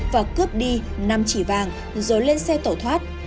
và cướp đi năm chỉ vàng rồi lên xe tẩu thoát